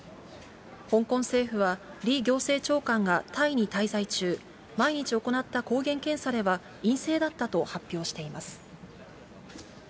香港政府は、李行政長官がタイに滞在中、毎日行った抗原検査では陰性だったと発表しています。